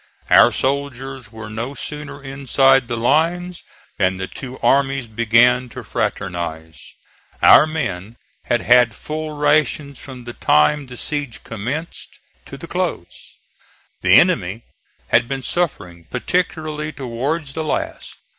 Our soldiers were no sooner inside the lines than the two armies began to fraternize. Our men had had full rations from the time the siege commenced, to the close. The enemy had been suffering, particularly towards the last.